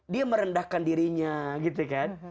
dia merendahkan dirinya gitu kan